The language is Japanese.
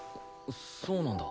そうなんだ。